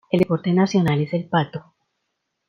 El deporte nacional es el pato.